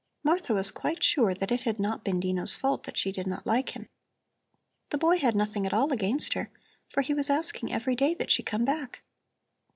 Martha was quite sure that it had not been Dino's fault that she did not like him. The boy had nothing at all against her, for he was asking every day that she come back.